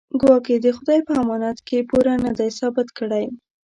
ګواکې د خدای په امانت کې پوره نه دی ثابت کړی.